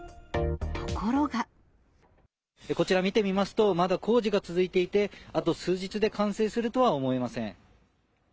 こちら見てみますと、まだ工事が続いていて、あと数日で完成するとは思えません。